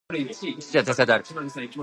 父は天才である